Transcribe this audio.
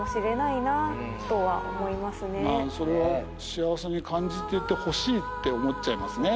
それは幸せに感じていてほしいって思っちゃいますね。